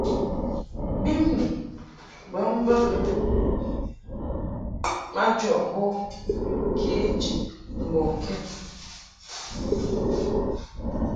Bimni bə mbə majɔʼ bo kě jid mbɔŋkɛd.